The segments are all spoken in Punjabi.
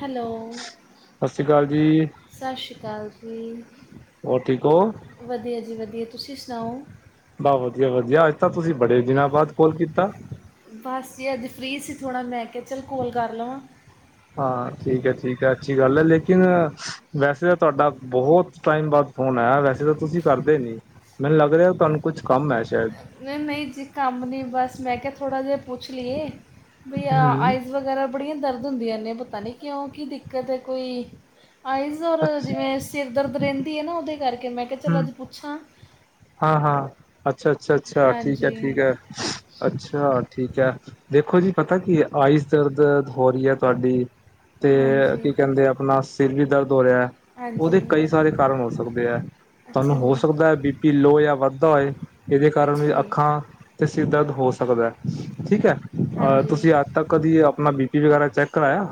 ਹੈਲੋ‌। ਸਤਿ ਸ਼੍ਰੀ ਅਕਾਲ ਜੀ। ਸਤਿ ਸ਼੍ਰੀ ਅਕਾਲ ਜੀ। ਹੋਰ ਠੀਕ ਹੋ। ਵਧੀਆ ਜੀ ਵਧੀਆ ਤੁਸੀਂ ਸੁਣਾਓ। ਬਸ ਵਧੀਆ ਵਧੀਆ ਅੱਜ ਤਾਂ ਤੁਸੀਂ ਬੜੇ ਦਿਨਾਂ ਬਾਅਦ ਕੋਲ਼ ਕੀਤਾ। ਬਸ ਜੀ ਅੱਜ ਫਰੀ ਸੀ ਥੋੜ੍ਹਾ ਮੈਂ ਕਿਹਾ ਚੱਲ ਕੋਲ ਕਰ ਲਵਾਂ। ਹਾਂ ਠੀਕ ਹੈ ਠੀਕ ਹੈ ਅੱਛੀ ਗੱਲ ਹੈ ਲੇਕਿਨ ਵੈਸੇ ਤਾਂ ਤੁਹਾਡਾ ਬਹੁਤ ਟਾਈਮ ਬਾਅਦ ਹੋਣਾ ਵੈਸੇ ਤਾਂ ਤੁਸੀਂ ਕਰਦੇ ਨੀ ਮੈਨੂੰ ਲੱਗ ਰਿਹਾ ਤੁਹਾਨੂੰ ਕੁੱਛ ਕੰਮ ਹੈ ਸ਼ਾਇਦ। ਨਹੀਂ ਜੀ ਕੰਮ ਨਹੀਂ ਬਸ ਮੈਂ ਕਿਹਾ ਥੋੜ੍ਹਾ ਜਿਹਾ ਪੁੱਛ ਲਈਏ ਭਈਆ ਹੂੰ ਆਈਜ਼ ਵਗੈਰਾ ਬੜੀਆਂ ਦਰਦ ਹੁੰਦੀਆਂ ਨੇ ਪਤਾ ਨਹੀਂ ਕਿਉਂ ਕੀ ਦਿੱਕਤ ਹੈ ਕੋਈ ਆਈਜ਼ ਔਰ ਅੱਛਾ ਜਿਵੇਂ ਸਿਰ ਦਰਦ ਰਹਿੰਦੀ ਹੈ ਨਾ ਉਹਦੇ ਕਰਕੇ ਮੈਂ ਕਿਹਾ ਚੱਲ ਹੂੰ ਅੱਜ ਪੁੱਛਾ ਹਾਂ ਹਾਂ ਅੱਛਾ ਅੱਛਾ ਅੱਛਾ ਠੀਕ ਹੈ ਹਾਂਜੀ ਠੀਕ ਹੈ ਅੱਛਾ ਠੀਕ ਹੈ। ਦੇਖੋ ਜੀ ਪਤਾ ਕੀ ਹੈ, ਆਇਸ਼ ਦਰਦ ਹੋ ਰਹੀ ਹੈ ਤੁਹਾਡੀ ਤੇ ਹਾਂਜੀ ਕੀ ਕਹਿੰਦੇ ਆਪਣਾ ਸਿਰ ਵੀ ਦਰਦ ਹੋ ਰਿਹਾ ਹੈ। ਉਹਦੇ ਹਾਂਜੀ ਕਈ ਸਾਰੇ ਕਾਰਨ ਹੋ ਸਕਦੇ ਹੈ ਅੱਛਾ ਤੁਹਾਨੂੰ ਹੋ ਜੀ ਸਕਦੇ ਹੈ ਬੀ ਪੀ ਲੋਅ ਜਾਂ ਵੱਧਦਾ ਹੋਏ ਇਹਦੇ ਕਾਰਨ ਅੱਛਾ ਵੀ ਜੀ ਅੱਖਾਂ ਤੇ ਸਿਰ ਦਰਦ ਹੋ ਸਕਦਾ ਹੈ ਠੀਕ ਹੈ। ਅ ਹਾਂਜੀ ਤੁਸੀਂ ਅੱਜ ਤੱਕ ਕਦੀ ਆਪਣਾ ਬੀ ਪੀ ਵਗੈਰਾ ਚੈੱਕ ਕਰਾਇਆ?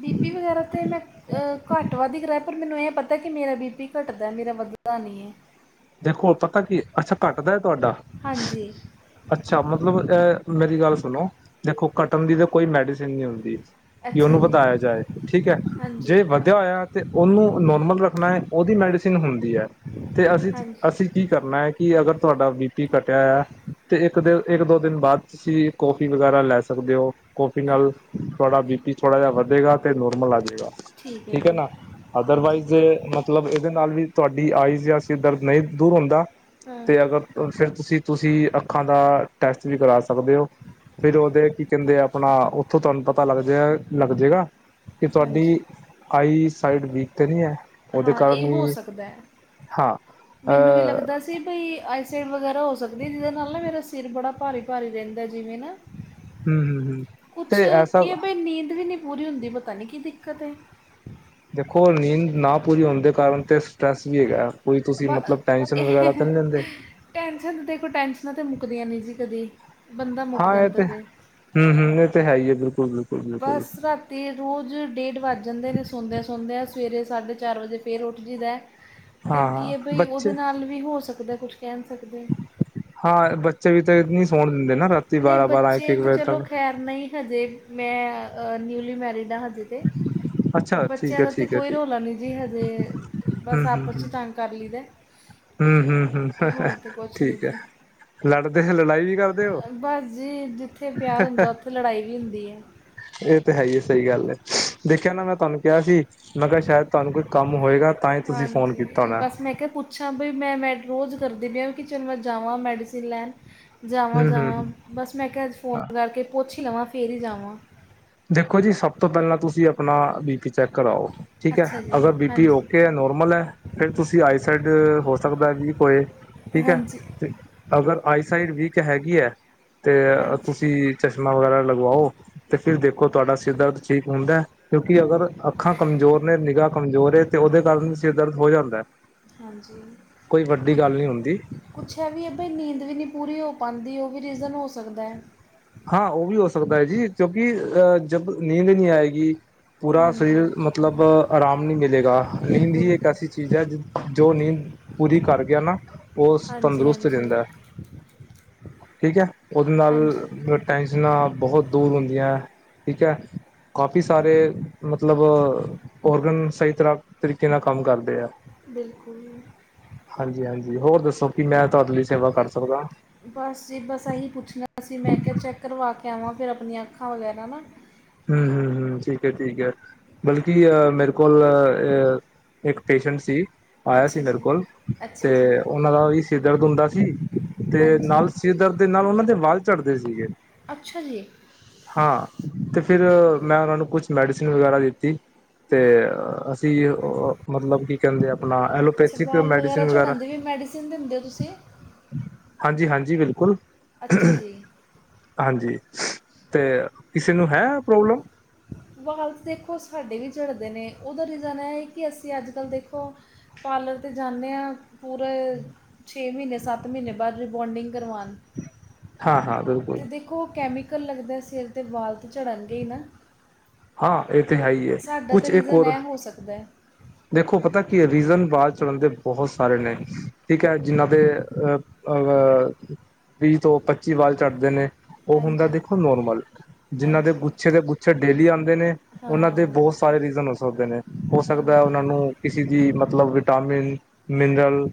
ਬੀ ਪੀ ਵਗੈਰਾ ਤਾਂ ਮੈਂ। ਅਹ ਘੱਟ ਵੱਧ ਈ ਕਰਾਇਆ ਪਰ ਮੈਨੂੰ ਇਹ ਪਤਾ ਕਿ ਮੇਰਾ ਬੀ ਪੀ ਘੱਟਦਾ ਮੇਰਾ ਵੱਧਦਾ ਨਹੀਂ ਹੈ। ਦੇਖੋ ਪਤਾ ਕੀ, ਅੱਛਾ ਘੱਟਦਾ ਹੈ ਤੁਹਾਡਾ। ਹਾਂਜੀ ਅੱਛਾ ਮਤਲਬ ਮੇਰੀ ਗੱਲ ਸੁਣੋ ਦੇਖੋ। ਘੱਟਨ ਦੀ ਤਾਂ ਕੋਈ ਮੈਡੀਸਿਨ ਨਹੀਂ ਹੁੰਦੀ। ਕਿ ਅੱਛਾ ਉਹਨੂੰ ਜੀ ਵਧਾਇਆ ਜਾਏ ਠੀਕ ਹੈ। ਜੇ ਹਾਂਜੀ ਵਧਿਆ ਹੋਇਆ। ਤਾਂ ਉਹਨੂੰ ਨੋਰਮਲ ਰੱਖਣਾ ਹੈ। ਉਹਦੀ ਮੈਡੀਸਿਨ ਹੁੰਦੀ ਹੈ ਤੇ ਅਸੀਂ। ਹਾਂਜੀ ਅਸੀਂ ਕੀ ਕਰਨਾ ਹੈ। ਕਿ ਅਗਰ ਤੁਹਾਡਾ ਬੀਪੀ ਘੱਟਿਆ ਹੈ ਤੇ ਇੱਕ ਦਿ ਇੱਕ ਦੋ ਦਿਨ ਬਾਅਦ'ਚ। ਤੁਸੀਂ ਕੌਫੀ ਵਗੈਰਾ ਲੈ ਸਕਦੇ ਹੋ। ਕੌਫੀ ਅ, ਨਾਲ ਤੁਹਾਡਾ ਬੀ ਪੀ ਥੋੜ੍ਹਾ ਜਿਹਾ ਵੱਧੇਗਾ। ਤੇ ਨੋਰਮਲ ਆ ਜਾਏਗਾ ਠੀਕ ਹੈ ਨਾ ਹਾਂਜੀ ਅਦਰਵਾਈਜ਼ ਜੇ ਮਤਲਬ ਇਹਦੇ ਨਾਲ ਵੀ ਤੁਹਾਡੀ ਆਈਜ਼ ਜਾਂ ਸਿਰ ਦਰਦ ਨਹੀਂ ਦੂਰ ਹੁੰਦਾ ਹਾਂ ਤੇ ਅਗਰ ਫਿਰ ਤੁਸੀਂ-ਤੁਸੀਂ ਅੱਖਾਂ ਦਾ ਟੈਸਟ ਵੀ ਕਰਾ ਸਕਦੇ ਓ। ਫਿਰ ਉਹਦੇ ਕੀ ਕਹਿੰਦੇ ਆਪਣਾ ਉੱਥੋਂ ਤੁਹਾਨੂੰ ਪਤਾ ਲੱਗਜੇ ਗਾ, ਲੱਗਜੇ ਗਾ। ਕਿ ਹਾਂਜੀ ਤੁਹਾਡੀ ਆਈ, ਸਾਈਡ ਵੀਕ ਤੇ ਨੀ ਐ। ਉਹਦੇ ਹਾਂ ਕਾਰਨ ਇਹ ਹੋ ਵੀ, ਸਕਦਾ ਹੈ ਹਾਂ। ਅ ਮੈਨੂੰ ਵੀ ਲੱਗਦਾ ਸੀ, ਬਈ ਆਈ ਸਾਈਡ ਵਗੈਰਾ ਹੋ ਸਕਦਾ ਵੀ ਜਿਹਦੇ ਨਾਲ ਨਾ, ਮੇਰਾ ਸਿਰ ਬੜਾ ਭਾਰੀ-ਭਾਰੀ ਰਹਿੰਦਾ ਜਿਵੇਂ ਨਾ ਹਮ ਹਮ ਹਮ ਕੁਛ ਤੇ ਐਸਾ ਕੀਐ ਬਈ ਨੀਂਦ ਵੀ ਨਹੀਂ ਪੂਰੀ ਹੁੰਦੀ ਪਤਾ ਨੀ ਕੀ ਦਿੱਕਤ ਐ। ਦੇਖੋ ਨੀਂਦ ਨਾ ਪੂਰੀ ਹੋਣ ਦੇ ਕਾਰਨ ਤੇ ਸਟੈਰਸ ਵੀ ਹੈਗਾ। ਕੋਈ ਤੁਸੀਂ ਮਤਲਬ ਟੈਂਸ਼ਨ ਵਗੈਰਾ ਤਾਂ ਨਹੀਂ ਲੈਂਦੇ। ਟੈਂਨਸ਼ਨ ਤਾਂ ਦੇਖੋ, ਟੈਂਸ਼ਨਾਂ ਤਾਂ ਮੁੱਕਦੀਆਂ ਨੀ ਜੀ ਕਦੀ। ਬੰਦਾ ਮੁੱਕ ਹਾਂ ਇਹ ਜਾਂਦਾ ਤੇ ਜੇ ਹੂੰ-ਹੂੰ ਇਹ ਤੇ ਹੈ ਈ ਏ, ਬਿਲਕੁਲ-ਬਿਲਕੁਲ। ਬਸ ਰਾਤੀਂ ਤੇ ਰੋਜ਼ ਡੇਢ ਵੱਜ ਜਾਂਦੇ ਨੇ ਸੌਦਿਆਂ-ਸੌਦਿਆਂ, ਸਵੇਰੇ ਸਾਢੇ ਚਾਰ ਵਜੇ ਫਿਰ ਉੱਠ ਜੀਦਾ। ਤੇ ਹਾਂ ਹਾਂ ਕੀ ਐ ਬਈ, ਬੱਚੇ ਉਹਦੇ ਨਾਲ ਵੀ ਹੋ ਸਕਦਾ ਕੁਛ ਕਹਿ ਨਹੀਂ ਸਕਦੇ। ਹਾਂ ਬੱਚੇ ਵੀ ਤੇ ਨੀ ਸੌਣ ਦਿੰਦੇ ਨਾ ਰਾਤੀਂ ਨਹੀਂ ਬੱਚੇ ਤਾਂ ਚਲੋ ਖੈਰ, ਨਹੀਂ ਹਜੇ ਮੈਂ ਨਿਊਲੀ ਮੈਰਿਡ ਆਂ ਹਜੇ। ਤੇ ਅੱਛਾ ਠੀਕ ਬੱਚਿਆਂ ਹੈ ਦਾ ਤਾਂ ਠੀਕ ਹੈ ਕੋਈ ਠੀਕ ਰੌਲਾ ਨੀ ਜੀ ਹਜੇ। ਬਸ ਹੂੰ ਹੂੰ ਆਪਸ 'ਚ ਹੂੰ ਤੰਗ ਕਰ ਲਈਦਾ। ਹੂੰ ਹੂੰ ਹੂੰ ਹੋਰ ਤੇ ਕੁਛ ਨੀ ਠੀਕ ਹੈ ਜੀ। ਲੜਦੇ ਹੈਂ, ਲੜਾਈ ਵੀ ਕਰਦੇ ਹੋ ਬਸ ਜੀ ਜਿੱਥੇ ਪਿਆਰ ਹੁੰਦਾ, ਉੱਥੇ ਲੜਾਈ ਵੀ ਹੁੰਦੀ ਏ। ਇਹ ਤੇ ਹੈ ਈ ਏ, ਸਹੀ ਗੱਲ ਐ, ਦੇਖਿਆ ਨਾ ਮੈਂ ਤੁਹਾਨੂੰ ਕਿਹਾ ਸੀ ਮੈਂ ਕਿਹਾ, ਸ਼ਾਇਦ ਤੁਹਾਨੂੰ ਕੋਈ ਕੰਮ ਹੋਏਗਾ ਤਾਂ ਹੀ ਤੁਸੀਂ ਫੋਨ ਕੀਤਾ ਹਾਂਜੀ, ਹੋਣਾ ਬਸ ਮੈਂ ਕਿਹਾ ਪੁੱਛ ਪੁੱਛਾਂ ਬ‌ਈ, ਮੈਂ ਮੇਡੀ ਰੋਜ਼ ਕਰ ਦਿੰਨੀ ਆ ਵੀ, ਕਿ ਚਲ੍ਹ ਜਾਵਾਂ ਮੈਡੀਸਨ ਲੈਣ। ਹੂੰ ਜਾਵਾਂ-ਜਾਵਾਂ, ਹੂੰ ਬਸ ਮੈਂ ਕਿਹਾ ਅੱਜ ਫੋਨ ਕਰਕੇ ਪੁੱਛ ਹੀ ਲਵਾਂ, ਫਿਰ ਈ ਜਾਵਾਂ। ਦੇਖੋ ਜੀ ਸਭ ਤੋਂ ਪਹਿਲਾਂ ਤੁਸੀਂ ਆਪਣਾ ਬੀ ਪੀ ਚੈੱਕ ਕਰਾਓ ਠੀਕ ਐ। ਅੱਛਾ ਜੀ ਅਗਰ ਬੀ, ਪੀ ਹਾਂਜੀ ਓਕੇ ਐ, ਨੋਰਮਲ ਐ ਫੇਰ ਤੁਸੀਂ ਆਈ ਸਾਈਡ ਹੋ ਸਕਦਾ ਵੀਕ ਹੋਏ ਠੀਕ ਐ। ਹਾਂਜੀ ਅਗਰ ਆਈਸਾਈਡ ਵੀਕ ਹੈਗੀ ਐ, ਤੇ ਹਾਂਜੀ ਤੁਸੀਂ ਚਸ਼ਮਾ ਵਗੈਰਾ ਲਗਵਾਓ। ਤੇ ਫਿਰ ਦੇਖੋ ਤੁਹਾਡਾ ਸਿਰ ਦਰਦ ਠੀਕ ਹੁੰਦਾ ਐ, ਕਿਉਂਕਿ ਅਗਰ ਅੱਖਾਂ ਕਮਜ਼ੋਰ ਨੇ ਨਿਗਾਹ ਕਮਜ਼ੋਰ ਏ ਤੇ ਉਹਦੇ ਕਾਰਨ ਵੀ ਸਿਰ ਦਰਦ ਹੋ ਜਾਂਦਾ ਐ, ਹਾਂਜੀ ਕੋਈ ਕੁ ਵੱਡੀ ਗੱਲ ਨੀ ਹੁੰਦੀ ਕੁਛ ਇਹ ਵੀ ਐ ਬਈ, ਨੀਂਦ ਵੀ ਨੀ ਪੂਰੀ ਹੋ ਪਾਂਦੀ, ਉਹ ਵੀ ਰੀਜ਼ਨ ਹੋ ਸਕਦਾ ਐ। ਹਾਂ ਉਹ ਵੀ ਹੋ ਸਕਦਾ ਐ ਜੀ, ਕਿਉਂਕਿ ਅਹ ਜਬ ਨੀਂਦ ਨ‌ਈਂ ਆਏਂਗੀ ਪੂਰਾ ਹਾਂਜੀ ਸਰੀਰ ਮਤਲਬ ਆਰਾਮ ਨਹੀਂ ਮਿਲੇਗਾ। ਨੀਂਦ ਹੀ ਬਿਲਕੁਲ ਇੱਕ ਐਸੀ ਚੀਜ਼ ਐ, ਜੋ ਨੀਂਦ ਪੂਰੀ ਕਰ ਗਿਆ ਨਾ, ਓਸ ਹਾਂਜੀ ਤੰਦਰੁਸਤ ਹਾਂਜੀ ਰਹਿੰਦਾ ਏ। ਠੀਕ ਐ, ਉਹਦੇ ਹਾਂਜੀ ਨਾਲ ਟੈਨਸ਼ਨਾਂ ਬਹੁਤ ਦੂਰ ਹੁੰਦੀਆਂ ਐ। ਠੀਕ ਐ। ਕਾਫੀ ਸਾਰੇ ਮਤਲਬ, ਔਰਗਨ ਸਹੀ ਤਰ੍ਹਾਂ ਤਰੀਕੇ ਨਾ ਕੰਮ ਕਰਦੇ ਆ‌। ਬਿਲਕੁਲ। ਹਾਂਜੀ-ਹਾਂਜੀ, ਹੋਰ ਦੱਸੋ ਕਿ ਮੈਂ ਤੁਹਾਡੇ ਲਈ ਸੇਵਾ ਕਰ ਸਕਦਾ ਆ? ਬਸ ਜੀ ਬਸ, ਇਹੀ ਪੁੱਛਣਾ ਸੀ ਮੈਂ ਕਿਹਾ ਚੈੱਕ ਕਰਵਾ ਕੇ ਆਵਾਂ ਫਿਰ ਆਪਣੀਆਂ ਅੱਖਾਂ ਵਗੈਰਾ ਨਾ ਹੂੰ-ਹੂੰ, ਹੂੰ ਠੀਕ ਐ, ਠੀਕ ਐ। ਬਲ ਕਿ ਮੇਰੇ ਕੋਲ ਅਹ, ਇੱਕ ਪੇਸ਼ੈਂਟ ਸੀ। ਆਇਆ ਸੀ ਅੱਛਾ ਮੇਰੇ ਜੀ ਕੋਲ ਅੱਛਾ ਤੇ ਜੀ ਉਨਾਂ ਦਾ ਓਹੀ ਸਿਰਦਰਦ ਹੁੰਦਾ ਸੀ ਤੇ ਹਾਂਜੀ ਨਾਲ ਸਿਰਦਰਦ ਦੇ ਨਾਲ ਉਨਾਂ ਦੇ ਵਾਲ ਚੜ੍ਹਦੇ ਸੀਗੇ। ਅੱਛਾ ਜੀ! ਹਾਂ, ਤੇ ਫਿਰ ਮੈ ਉਨਾ ਨੂੰ ਕੁਛ ਮੈਡੀਸਨ ਵਗੈਰਾ ਦਿੱਤੀ। ਅਤੇ ਅਸੀਂ ਮਤਲਬ ਕੀ ਕਹਿੰਦੇ ਆਪਣਾ ਐਲੋਪੈਥਿਕ ਮੈਡੀਸਨ ਵਗੈਰਾ। ਅਤੇ ਫਿਰ ਮੈਡੀਸਨ ਦਿੰਦੇ ਹੋ ਤੁਸੀਂ? ਹਾਂਜੀ ਹਾਂਜੀ ਬਿਲਕੁਲ। ਅੱਛਾ ਜੀ। ਹਾਂਜੀ, ਤੇ ਕਿਸੇ ਨੂੰ ਹੈ ਪ੍ਰੋਬਲਮ? ਵਾਲ ਤਾਂ ਦੇਖੋ ਸਾਡੇ ਵੀ ਝੜਦੇ ਨੇ ਉਹਦਾ ਰੀਜ਼ਨ ਇਹ ਹੈ ਕਿ ਅਸੀਂ ਅੱਜ ਕੱਲ੍ਹ ਦੇਖੋ। ਪਾਰਲਰ ਤੇ ਜਾਂਦੇ ਹਾਂ ਪੂਰੇ। ਛੇ ਮਹੀਨੇ ਸੱਤ ਮਹੀਨੇ ਬਾਅਦ ਰਿਬੋਂਡਿੰਗ ਕਰਵਾਉਣ। ਹਾਂ ਹਾਂ ਬਿਲਕੁਲ। ਅਤੇ ਦੇਖੋ ਉਹ ਕੈਮੀਕਲ ਲੱਗਦਾ ਸਿਰ 'ਤੇ ਵਾਲ ਤਾਂ ਝੜਨਗੇ ਹੀ ਨਾ। ਹਾਂ ਇਹ ਤਾਂ ਹੈ ਹੀ ਹੈ ਸਾਡਾ ਕੁਛ ਤਾਂ ਇੱਕ ਰੀਜ਼ਨ ਹੋਰ। ਇਹ ਹੋ ਸਕਦਾ ਹੈ ਦੇਖੋ ਪਤਾ ਕੀ ਰੀਜ਼ਨ ਵਾਲ ਝੜਨ ਦੇ ਬਹੁਤ ਸਾਰੇ ਨੇ ਠੀਕ ਹੈ ਜਿਨਾਂ ਦੇ ਅ। ਅ ਵੀਹ ਤੋਂ ਪੱਚੀ ਵਾਲ ਝੜਦੇ ਨੇ। ਉਹ ਹੁੰਦਾ ਹਾਂਜੀ ਦੇਖੋ ਨੋਰਮਲ ਜਿਹਨ੍ਹਾਂ ਦੇ ਹਾਂਜੀ ਗੁੱਛੇ ਦੇ ਗੁੱਛੇ ਡੇਲੀ ਆ। ਉ ਉਹਨਾਂ ਦੇ ਹਾਂ ਬਹੁਤ ਸਾਰੇ ਰੀਜ਼ਨ ਹੋ ਸਕਦੇ ਨੇ ਹੋ ਸਕਦਾ ਹਾਂਜੀ ਉਹਨਾਂ ਨੂੰ। ਕਿਸੇ ਚੀਜ਼ ਦੀ ਮਤਲਬ ਵਿਟਾਮਿਨ ਮਿਨਰਲ।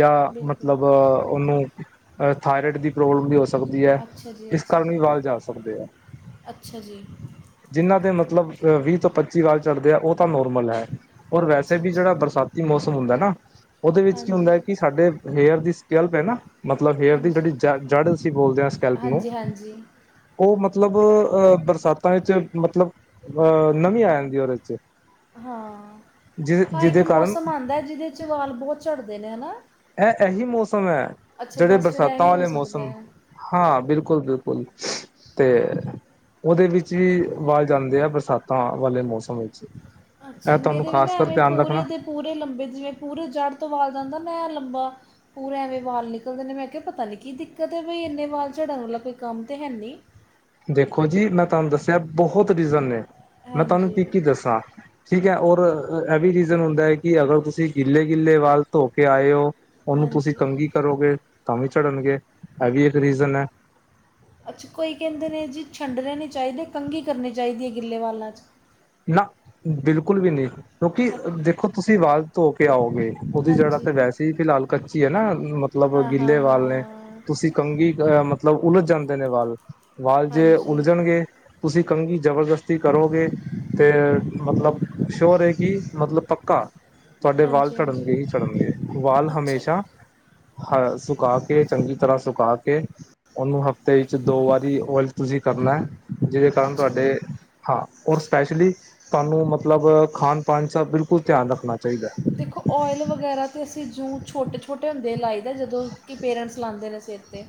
ਜਾਂ ਬਿਲਕੁਲ ਮਤਲਬ ਉਹਨੂੰ। ਅ ਥਾਇਰਾਇਡ ਦੀ ਪ੍ਰੋਬਲਮ ਵੀ ਹੋ ਸਕਦੀ ਐ ਅੱਛਾ ਜੀ ਇਸ ਅੱਛਾ ਕਾਰਨ ਵੀ ਜੀ ਵਾਲ ਜਾ ਸਕਦੇ ਐ। ਅੱਛਾ ਜੀ। ਜਿਨ੍ਹਾਂ ਦੇ ਮਤਲਬ ਵੀਹ ਤੋਂ ਪੱਚੀ ਵਾਲ ਝੜ੍ਹਦੇ ਆ ਉਹ। ਤਾਂ ਨੋਰਮਲ ਐ ਔਰ ਵੈਸੇ ਅੱਛਾ ਵੀ ਅੱਛਾ ਜੇੜਾ ਬਰਸਾਤੀ ਮੌਸਮ ਹੁੰਦੈ ਨਾ। ਓਦੇ ਵਿੱਚ ਕੀ ਹਾਂਜੀ ਹੁੰਦੈ ਕੀ ਸਾਡੇ। ਹੇਅਰ ਦੀ ਸਕੈਲਪ ਐ ਨਾ ਮਤਲਬ ਹੇਅਰ ਦੀ ਹਾਂਜੀ ਜਿਹੜੀ ਜੜ ਅਸੀਂ ਬੋਲਦੇ ਆ ਸਕੈਲਪ ਨੂੰ। ਹਾਂਜੀ ਹਾਂਜੀ ਉਹ ਮਤਲਬ ਅਹ ਬਰਸਾਤਾਂ ਵਿੱਚ ਮਤਲਬ ਅਹ ਨਮੀ ਆ ਜਾਂਦੀ ਓਦੇ ਚ। ਹਾਂ ਜਿ ਹਾਂ ਇੱਕ ਜਿਹਦੇ ਕਾਰਨ ਮੌਸਮ ਆਂਦਾ ਜਿਹਦੇ ਵਿੱਚ ਵਾਲ ਬਹੁਤ ਝੜਦੇ ਨੇ ਹਨਾਂ। ਐ ਐਹੀ ਮੌਸਮ ਐ ਜੇੜੇ ਫਿਰ ਬਰਸਾਤਾਂ ਇਹੀ ਹੋ ਵਾਲੇ ਸਕਦਾ ਮੌਸਮ। ਹੈ ਹਾਂ ਬਿਲਕੁੱਲ-ਬਿਲਕੁੱਲ ਤੇ। ਓਦੇ ਵਿੱਚ ਵੀ ਵਾਲ ਜਾਂਦੇ ਆ ਬਰਸਾਤਾਂ ਵਾਲੇ ਮੌਸਮ ਵਿੱਚ। ਇਹ ਅੱਛਾ ਤੁਹਾਨੂੰ ਮੇਰੇ ਵੀ ਨਾ ਖ਼ਾਸ ਕਰ ਐਵੇਂ ਧਿਆਨ ਪੂਰੇ ਰੱਖਣਾ ਦੇ। ਪੂਰੇ ਲੰਬੇ ਜਿਵੇਂ ਪੂਰੇ ਜੜ੍ਹ ਤੋਂ ਵਾਲ ਜਾਂਦਾ ਨਾ ਐਨ ਲੰਬਾ। ਪੂਰੇ ਐਵੇਂ ਵਾਲ ਨਿਕਲਦੇ ਨੇ ਮੈਂ ਕਿਹਾ ਪਤਾ ਨਹੀਂ ਕੀ ਦਿੱਕਤ ਹੈ ਬਈ ਇੰਨੇ ਵਾਲ ਝੜਨ ਵਾਲਾ ਕੋਈ ਕੰਮ ਤਾਂ ਹੈ ਨਹੀਂ। ਦੇਖੋ ਜੀ ਮੈਂ ਤੁਹਾਨੂੰ ਦੱਸਿਆ ਬਹੁਤ ਰੀਜ਼ਨ ਨੇ ਮੈਂ ਤੁਹਾਨੂੰ ਹਾਂਜੀ ਕੀ ਕੀ ਦੱਸਾਂ। ਠੀਕ ਹੈ ਔਰ ਇਹ ਵੀ ਰੀਜ਼ਨ ਹੁੰਦਾ ਹੈ ਕਿ ਅਗਰ ਤੁਸੀਂ ਗਿੱਲੇ ਗਿੱਲੇ ਵੱਲ ਧੋ ਕੇ ਆਏ ਹੋ। ਉਹਨੂੰ ਤੁਸੀਂ ਹਾਂਜੀ ਕੰਗੀ ਕਰੋਗੇ ਤਾਂ ਵੀ ਝੜਨਗੇ ਇਹ ਵੀ ਇੱਕ ਰੀਜ਼ਨ ਹੈ। ਅੱਛਾ ਕੋਈ ਕਹਿੰਦੇ ਨੇ ਜੀ ਛੰਡਣੇ ਨਹੀਂ ਚਾਹੀਦੇ ਕੰਘੀ ਕਰਨੀ ਚਾਹੀਦੀ ਹੈ ਗਿੱੱਲੇ ਵਾਂਲਾਂ 'ਚ। ਨਾ ਬਿਲਕੁਲ ਵੀ ਨਹੀਂ ਕਿਉਂਕਿ ਅੱ ਦੇਖੋ ਤੁਸੀਂ ਵਾਲ ਧੋ ਕੇ ਆਓਗੇ। ਉਹਦੀ ਜੜਾ ਹਾਂਜੀ ਤੇ ਵੈਸੇ ਫਿਲਹਾਲ ਕੱਚੀ ਹੈ ਨਾ ਮਤਲਬ ਹਾਂ ਗਿੱਲੇ ਹਾਂ ਵਾਲ ਨੇ ਹਾਂ ਤੁਸੀਂ। ਕੰਘੀ ਅ ਮਤਲਬ ਉਲਝ ਜਾਂਦੇ ਨੇ ਵਾਲ ਵਾਲ ਜੇ ਹਾਂਜੀ ਉਲਝਣਗੇ। ਤੁਸੀਂ ਕੰਘੀ ਜਬਰਦਸਤੀ ਕਰੋਗੇ ਤੇ ਮਤਲਬ। ਸ਼ੋਅਰ ਹੈ ਕਿ ਮਤਲਬ ਪੱਕਾ। ਤੁਹਾਡੇ ਵਾਲ ਹਾਂਜੀ ਝੜ੍ਹਨਗੇ ਹਾਂਜੀ ਹੀ ਝੜ੍ਹਨਗੇ ਵਾਲ ਅੱਛਾ ਹਮੇਸ਼ਾ। ਹਾਂ ਸੁਕਾ ਕੇ ਚੰਗੀ ਤਰ੍ਹਾਂ ਸੁਕਾ ਕੇ। ਉਹਨੂੰ ਹਫ਼ਤੇ ਵਿੱਚ ਦੋ ਵਾਰੀ ਓਇਲ ਤੁਸੀਂ ਕਰਨੈ। ਜਿਦੇ ਕਾਰਨ ਅੱਛਾ ਤੁਹਾਡੇ ਜੀ ਹਾਂ ਉਸ। ਸਪੈਸ਼ਲੀ ਤੁਹਾਨੂੰ ਮਤਲਬ ਖਾਣ ਪਾਂਣ ਚ ਬਿਲਕੁਲ ਧਿਆਨ ਰੱਖਣਾ। ਚਾਹੀਦਾ ਦੇਖੋ। ਓਇਲ ਵਗੈਰਾ ਤਾਂ ਅਸੀਂ ਜੂ ਛੋਟੇ-ਛੋਟੇ ਹੁੰਦੇ ਲਾਈਦੈ ਜਦੋਂ ਕੀ ਪੇਰੈਂਟਸ ਲਾਂਦੇ ਨੇ ਸਿਰ ਤੇ।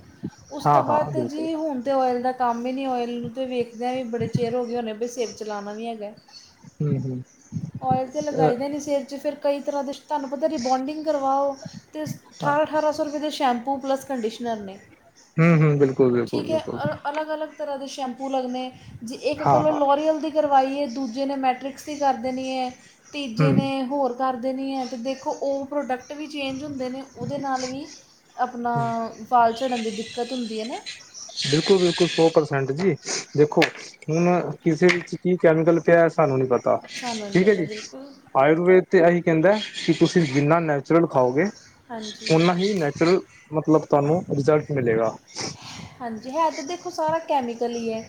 ਉਸ ਤੋਂ ਹਾਂ ਹਾਂ ਬਾਦ ਤੇ ਬਿਲਕੁਲ ਜੀ ਹੁਣ। ਤੇ ਓਇਲ ਦਾ ਕੰਮ ਈ ਨੀ ਓਇਲ ਨੂੰ ਤਾਂ ਵੇਖਦਿਆਂ ਵੀ ਬੜੇ ਚਿਰ ਹੋਗੇ ਹੋਣੇ ਵੀ ਸਿਰ ਚ ਲਾਣਾ ਵੀ ਹੈਗੈ। ਹੂੰ-ਹੂੰ। ਔਇਲ ਤੇ ਲਗਾਈ ਦੇ ਨੀ ਸਿਰ'ਚ, ਫਿਰ ਕਈ ਤਰ੍ਹਾਂ ਦੇ ਧਾੰਨੂ ਪਤਾ ਰਿਬੋਂਡਿੰਗ ਕਰਵਾਓ, ਤੇ ਉਸ ਠਾਰਾਂ-ਠਾਰਾ ਰੁਪਏ ਦੇ ਸ਼ੈਂਪੂ ਪਲੱਸ ਕੰਡੀਸ਼ਨਰ ਨੇ, ਹਮ ਹਮ ਬਿਲਕੁਲ ਬਿਲਕੁਲ ਠੀਕ ਏ, ਬਿਲਕੁਲ ਔਰ ਅਲੱਗ-ਅਲੱ ਤਰ੍ਹਾਂ ਤੇ ਸੈਂਪੂ ਲਗਣੇ, ਜੇ ਇਕ ਹਾਂ ਕੋਲੋ ਹਾਂ ਲੌਰੀਅਲ ਫੀ ਕਰਵਾਈਏ, ਦੂਜੇ ਨੇ ਮੈਟ੍ਰਿਕਸ ਦੀ ਕਰ ਦੇਨੀ ਐ, ਤੀਜੇ ਹਮ ਨੇ ਹੋਰ ਕਰ ਦੇਨੀ ਐ, ਤੇ ਦੇਖੋ, ਓ ਪ੍ਰੋਡਕਟ ਵੀ ਚੇਂਜ ਹੁੰਦੇ ਨੇ ਉਹਦੇ ਨਾਲ ਵੀ ਅਪਨਾ, ਵਾਲ ਝੜਨ ਦੀ ਦਿੱਕਤ ਹੁੰਦੀ ਐ ਨਾ। ਬਿਲਕੁੱਲ-ਬਿਲਕੁੱਲ, ਸੌ ਪ੍ਰਸੈਂਟ ਜੀ, ਦੇਖੋ ਹੁਣ, ਕਿਸੇ ਵਿੱਚ ਕੀ ਕੈਮੀਕਲ ਪਿਆ ਸਾਨੂੰ ਨੀ ਪਤਾ, ਸਾਨੂੰ ਨਹੀਂ ਠੀਕ ਐ ਪਤਾ ਜੀ। ਬਿਲਕੁਲ ਆਯੁਰਵੇਦ ਤੇ ਐਹੀ ਕਹਿੰਦਾ, ਕਿ ਤੁਸੀਂ ਜਿੰਨਾ ਨੈ ਚੁਰਲ ਖਾਓਗੇ, ਹਾਂਜੀ ਓਨਾ ਹੀ ਨੈਚੁਰਲ, ਮਤਲਬ ਤੁਹਾਨੂੰ ਰਿਜ਼ਲਟ ਮਿਲੇਗਾ। ਹਾਂਜੀ, ਹੈ ਤਾਂ ਦੇਖੋ ਸਾਰਾ ਕੈਮੀਕਲ ਈ ਐ,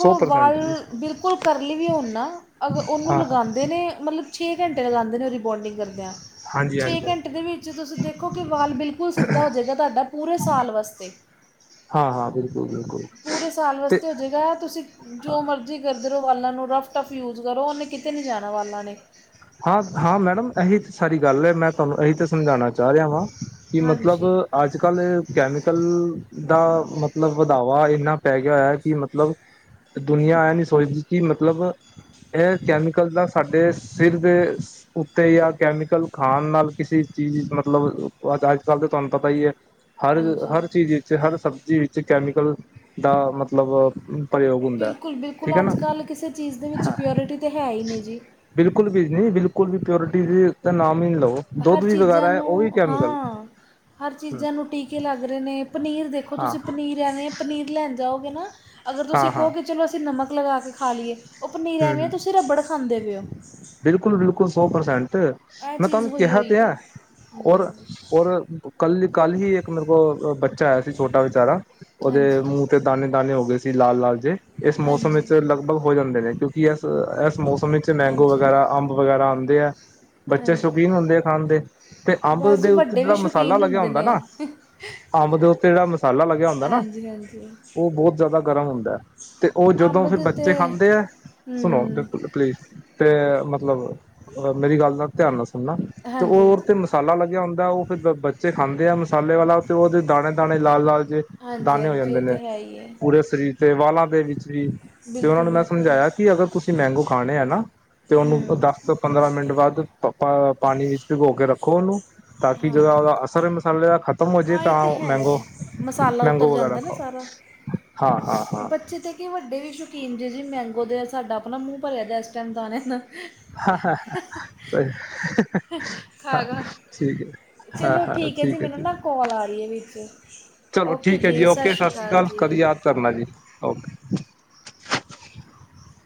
ਸੌ ਪਰਸੈਂਟ ਵਾਲ ਜੀ ਬਿਲਕੁੱਲ ਕਰਲੀ ਵੀ ਹੋਣ ਨਾ, ਹਾਂ ਅਗ---ਓਹਨੂੰ ਹਾਂ ਲਗਾਂਦੇ ਨੇ, ਮਤਲਬ ਛੇ ਘੰਟੇ ਲਗਾਂਦੇ ਨੇ ਓ ਰਿਬੋਂਡਿੰਗ ਕਰਦਿਆਂ। ਹਾਂਜੀ ਛੇ ਹਾਂਜੀ ਹਾਂਜੀ ਘੰਟੇ ਦੇ ਵਿੱਚ ਤੁਸੀਂ ਦੇਖੋ ਕੀ, ਵਾਲ ਬਿਲਕੁਲ ਸਿੱਧਾ ਹੋਜੇਗਾ ਤੁਹਾਡਾ, ਪੂਰੇ ਸਾਲ ਵਾਸ ਹਾਂ-ਹਾਂ, ਬਿਲਕੁੱਲ-ਬਿਲਕੁੱਲ। ਪੂਰੇ ਸਾਲ ਵਾਸਤੇ ਹੋਜੇਗਾ, ਤੁਸੀਂ ਜੋ ਮਰਜ਼ੀ ਕਰਦੇ ਰਹੋ ਵਾਲਾ ਨੂੰ, ਰੱਫ-ਟੱਫ ਯੂਜ ਕਰੋ, ਓਹਨੇ ਕਿਤੇ ਨੀ ਜਾਣਾ ਵਾਲਾਂ ਨੇ। ਹਾਂ, ਹਾਂ ਮੈਡਮ ਐਹੀ ਤਾਂ ਸਾਰੀ ਗੱਲ ਐ, ਮੈਂ ਤੁਹਾਨੂੰ ਏਹੀ ਤਾਂ ਸਮਝਾਣਾ ਚਾਹ ਰਿਹਾ ਵਾਂ, ਕੀ ਮਤਲਬ ਹਾਂਜੀ ਅੱਜ-ਕੱਲ ਕੈਮੀਕਲ, ਦਾ ਮਤਲਬ ਵਧਾਵਾ ਇਹਨਾ ਪੈਗਿਆ ਹੋਇਆ ਕੀ ਮਤਲਬ ਦੁਨੀਆਂ ਐ ਨੀ ਸੋਚਦੀ ਕੀ ਮਤਲਬ, ਐ ਕੈਮੀਕਲ ਦਾ ਸਾਡੇ ਸਿਰਦੇਸ ਉੱਤੇ ਯਾ ਕੈਮੀਕਲ ਖਾਣ ਨਾਲ ਕਿਸੇ ਚੀਜ਼ ਮਤਲਬ, ਅੱਜ-ਕੱਲ ਤੇ ਤੁਹਾਨੂੰ ਪਤਾ ਹੀ ਹੈ। ਹਰ, ਹਾਂਜੀ ਹਰ ਚੀਜ਼ ਵਿੱਚ, ਹਰ ਸਬਜ਼ੀ ਵਿੱਚ, ਕੈਮੀਕਲ ਦਾ ਮਤਲਬ, ਪ੍ਰਯੋਗ ਹੁੰਦਾ ਹੈ, ਬਿਲਕੁਲ ਠੀਕ ਬਿਲਕੁਲ ਹੈਨਾ। ਤੇ ਹੈਹੀ ਨੇ, ਜੀ‌। ਬਿਲਕੁਲ ਵੀ ਨੀ, ਬਿਲਕੁਲ ਵੀ ਪਿਓਰਟੀ ਦੀ ਤਾ ਨਾਮ ਹੀ ਨਾ ਲਵੋ। ਦੁੱਧ ਹਰ ਵੀ ਚੀਜ਼ਾਂ ਵਗੈਰਾ ਹੈ ਉਹ ਵੀ ਨੂੰ, ਕੈਮੀਕਲ ਹਾਂ। ਹਰ ਚੀਜ਼ਾਂ ਨੂੰ ਟੀਕੇ ਲੱਗ ਰਹੇ ਨੇ। ਪਨੀਰ ਦੇਖੋ, ਹਾਂ ਤੁਸੀ ਪਨੀਰ ਲਿਆਨੇ ਆ, ਪਨੀਰ ਲੈਣ ਜਾਓਗੇ ਨਾ, ਅਗਰ ਤੁਸੀਂ ਹਾਂ ਹਾਂ ਕਹੋਗੇ ਚਲੋ ਅਸੀਂ ਨਮਕ ਲਗਾਕੇ ਖਾ ਲੀਏ ਓ ਪਨੀਰ ਐਵੇਂ ਆ, ਤੁਸੀਂ ਰੱਬੜ ਖਾਂਦੇ ਪਏ ਓ। ਬਿਲਕੁੱਲ-ਬਿਲਕੁੱਲ ਸੌ ਪਰਸੇਂਟ। ਇਹ ਮੈਂ ਚੀਜ਼ ਤੁਹਾਨੂੰ ਹੋਈ ਕਿਹਾ ਤਾ ਹੋਈ ਹੈ, ਹੂੰ, ਔਰ-ਔਰ ਕੱਲ-ਕੱਲ ਹੀ ਇੱਕ ਮੇਰੇ ਕੋਲ ਬੱਚਾ ਆਇਆ ਸੀ ਛੋਟਾ ਵਿਚਾਰਾ, ਓਹਦੇ ਹਾਂਜੀ ਮੂੰਹ ਤੇ ਦਾਨੇ-ਦਾਨੇ ਹੋਗੇ ਸੀ, ਲਾਲ-ਲਾਲ ਜੇ, ਇਸ ਮੌਸਮ ਵਿੱਚ ਹਾਂਜੀ ਲਗ ਭਗ ਹੋ ਜਾਂਦੇ ਨੇ, ਕਿਉਂਕਿ ਏਸ, ਇਸ ਮੌਸਮ ਵਿੱਚ ਮੈਂਗੋ ਹਾਂਜੀ ਵਗੈਰਾ, ਅੰਬ ਵਗੈਰਾ ਆਂਦੇ ਆ ਬੱਚੇ ਹਾਂਜੀ ਸ਼ੌਕੀਨ ਹੁੰਦੇ ਆ ਖਾਣ ਦੇ, ਤੇ ਅੰਬ ਬਸ ਦੇ ਜੀ ਉੱਤੇ ਵੱਡੇ ਵੀ ਜੇੜਾ ਮਸਾਲਾ ਸ਼ੌਕੀਨ ਲੱਗਿਆ ਹੁੰਦੇ ਹੁੰਦਾ ਨੇ ਨਾ ਅੰਬ ਦੇ ਉੱਤੇ ਦਾ ਮਸਾਲਾ ਲੱਗਿਆ ਹੁੰਦਾ ਨਾ, ਹਾਂਜੀ ਹਾਂਜੀ ਓ ਬਹੁਤ ਜਿਆਦਾ ਗਰਮ ਹੁੰਦਾ। ਤੇ ਓ ਅੰਬ ਜਦੋਂ ਫਿਰ ਦੇ ਤੇ ਬੱਚੇ ਖਾਂਦੇ ਐ, ਸੁਣੋ ਹੂੰ ਦੇਖੋ ਤਾ ਪਲੀਜ਼ ਤੇ, ਮਤਲਬ ਮੇਰੀ ਗੱਲ ਦਾ ਧਿਆਨ ਨਾਲ ਸੁਣਨਾ, ਤੇ ਹਾਂਜੀ ਓਰ ਹਾਂਜੀ ਤੇ ਮਸਾਲਾ ਲੱਗਿਆ ਹੁੰਦਾ ਓ ਫੀ ਫਿਰ ਬ ਬੱਚੇ ਖਾਂਦੇ ਆ ਮਸਾਲੇ ਵਾਲਾ, ਤੇ ਓਦੇ ਦਾਣੇ-ਦਾਣੇ, ਲਾਲ-ਲਾਲ ਜੇ ਹਾਂਜੀ ਦਾਾਨੇ ਹੋ ਹਾਂਜੀ ਜਾਂਦੇ ਇਹ ਤਾਂ ਨੇ, ਹੈ ਹੀ ਹੈ ਪੂਰੇ ਸਰੀਰ ਤੇ, ਵਾਲਾਂ ਦੇ ਵਿੱਚ ਵੀ। ਤੇ ਉਹਨਾ ਬਿਲਕੁਲ ਨੂੰ ਮੈਂ ਬਿਲਕੁਲ ਸਮਝਾਇਆ, ਕਿ ਅਗਰ ਤੁਸੀਂ ਮੈਂਗੋ ਖਾਣੇ ਆ ਨਾ, ਤੇ ਹੂੰ ਉਹਨੂੰ ਦੱਸ ਸ ਪੰਦਰਾਂ ਮਿੰਟ ਬਾਅਦ ਪਾਣੀ ਵਿੱਚ ਭੀਗੋਕੇ ਰੱਖੋ ਉਹਨੂੰ, ਤਾਂ ਕਿ ਹਾਂ ਜਿਹੜਾ ਉਹਦਾ ਅਸਰ ਏ ਮਸਾਲੇ ਦਾ ਖਤਮ ਹੋਜੇ, ਹਾਂ ਇਹ ਤਾਂ ਓ ਹੈ ਹੀ ਮੈਂਗੋ, ਹੈ ਮਸਾਲਾ ਉਤਰ ਮੈਂਗੋ ਵਗੈਰਾ ਜਾਂਦਾ ਨਾ ਖਾਓ। ਸਾਰਾ ਹਾਂ, ਹਾਂ, ਹਾਂ। ਬੱਚੇ ਤਾਂ ਕਿ ਵੱਡੇ ਵੀ ਸ਼ੌਕੀਨ ਜੇ, ਜੀ ਮੈਂਗੋ ਦੇ। ਸਾਡਾ ਆਪਣਾ ਮੂੰਹ ਭਰਿਆ ਗਾ ਇਸ ਟਾਈਮ ਦਾਣਿਆਂ ਨਾਲ। ਹਾਂ ਹ ਸਹੀ ਹਾਂ ਖਾ ਖਾ ਕੇ। ਠੀਕ ਹੈ ਚਲੋ ਠੀਕ ਹੈ ਜੀ, ਮੈਨੂੰ ਨਾ, ਕੌ ਕੋਲ ਆ ਰਹੀ ਹੈ ਵਿੱਚ, ਚਲੋ ਠੀਕ ਹੈ ਓਕੇ-ਜੀ, ਜੀ ਸਤਿ ਓਕੇ ਸ਼੍ਰੀ ਅਕਾਲ ਜੀ। ਕਦੀ ਯਾਦ ਕਰਨਾ ਜੀ, ਓਕੇ। [unintelligible]